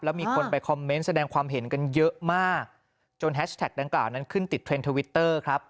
แล้วมีคนไปคอมเมนต์แสดงความเห็นกันเยอะมากจนแฮชแท็กดังกล่าวนั้นขึ้นติดเทรนด์ทวิตเตอร์ครับ